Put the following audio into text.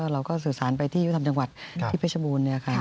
เราก็สื่อสารไปที่ยุทธรรมจังหวัดที่เพชรบูรณ์